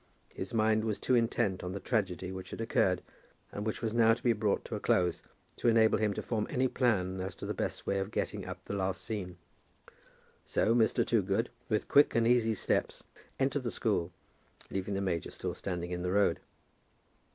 His mind was too intent on the tragedy which had occurred, and which was now to be brought to a close, to enable him to form any plan as to the best way of getting up the last scene. So Mr. Toogood, with quick and easy steps, entered the school, leaving the major still standing in the road.